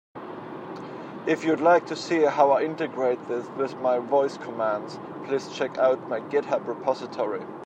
If you'd like to see how I integrate this with my voice commands, please check out my GitHub repository.